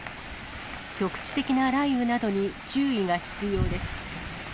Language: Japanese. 局地的な雷雨などに注意が必要です。